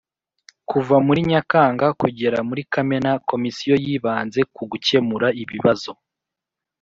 Kuva muri Nyakanga kugera muri Kamena Komisiyo yibanze ku gukemura ibiabzo